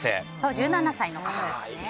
１７歳の方ですね。